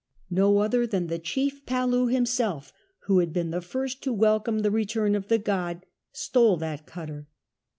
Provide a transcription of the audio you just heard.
No other than the chief !^alu himself, who had been the first to welcome the return of the god, stole that cutter.